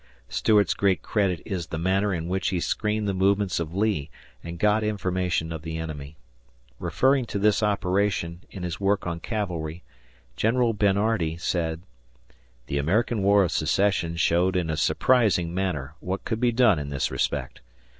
Stuart's great credit is the manner in which he screened the movements of Lee and got information of the enemy. Referring to this operationin his work on Cavalry, General Bernhardi said: The American War of Secession showed in a surprising manner what could be done in this respect.